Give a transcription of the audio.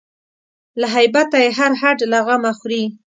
له هیبته یې هر هډ له غمه خوري